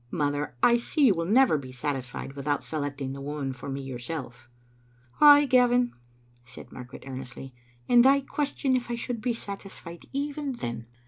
Mother, I see you will never be satisfied without selecting the woman for me yourself." "Ay, Gavin," said Margaret, earnestly; "and I ques tion if I should be satisfied even then.